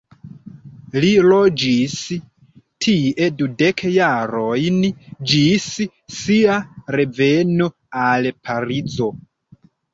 Li loĝis tie dudek jarojn ĝis sia reveno al Parizo.